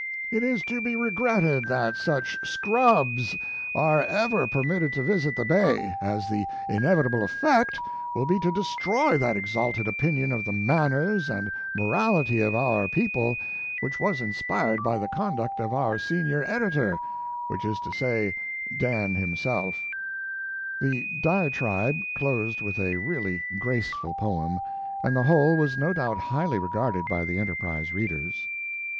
It is to be regretted that such scrubs are ever permitted to visit the bay, as the inevitable effect will be to destroy that exalted opinion of the manners and morality of our people which was inspired by the conduct of our senior editor [which is to say, Dan himself] . The diatribe closed with a really graceful poem, and the whole was no doubt highly regarded by the Enterprise readers.